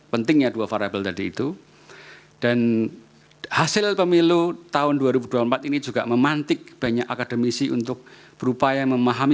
pentingnya dua variable tadi itu dan hasil pemilu tahun dua ribu dua puluh empat ini juga memantik banyak akademisi untuk berupaya memahami